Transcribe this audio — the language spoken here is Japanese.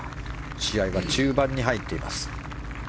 試合は中盤に入っています。